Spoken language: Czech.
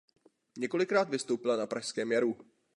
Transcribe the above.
Několikrát vystoupila na Pražském jaru.